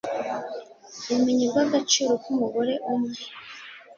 ubumenyi bw'agaciro k'umugore umwe.